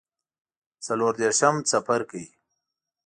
څلور دیرشم څپرکی